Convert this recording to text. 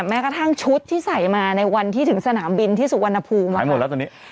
แม้กระทั่งชุดที่ใส่มาในวันที่ถึงสนามบินที่สุวรรณภูมิไว้หมดแล้วตอนนี้